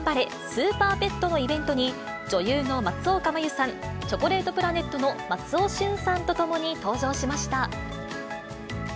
スーパーペットのイベントに、女優の松岡茉優さん、チョコレートプラネットの松尾駿さんと共に登場しました。